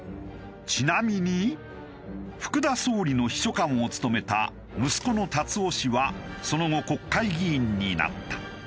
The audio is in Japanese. ちなみに福田総理の秘書官を務めた息子の達夫氏はその後国会議員になった。